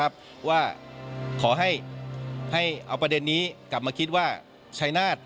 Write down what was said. แล้วก็กำหนดทิศทางของวงการฟุตบอลในอนาคต